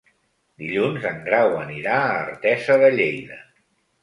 Dilluns en Grau anirà a Artesa de Lleida.